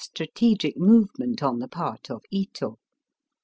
strategic movement on the part of Ito.